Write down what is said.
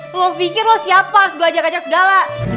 lo pikir lo siapa harus gue ajak ajak segala